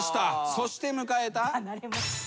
そして迎えた。